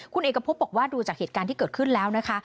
คุณเอกพบบอกว่าดูจากเหตุการณ์ที่เกิดขึ้นแล้วนะคะ